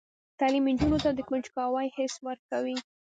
تعلیم نجونو ته د کنجکاوۍ حس ورکوي.